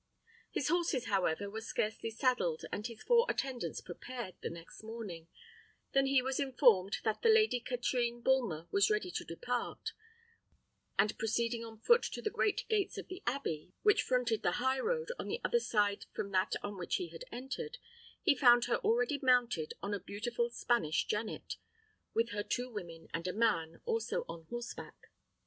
His horses, however, were scarcely saddled, and his four attendants prepared, the next morning, than he was informed that the Lady Katrine Bulmer was ready to depart; and proceeding on foot to the great gates of the abbey, which fronted the high road, on the other side from that on which he had entered, he found her already mounted on a beautiful Spanish jennet, with her two women and a man, also on horseback.